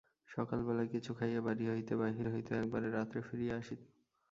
সকালবেলায় কিছু খাইয়া বাড়ি হইতে বাহির হইত, একেবারে রাত্রে ফিরিয়া আসিত।